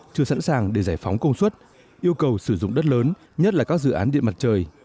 chưa sẵn sàng để giải phóng công suất yêu cầu sử dụng đất lớn nhất là các dự án điện mặt trời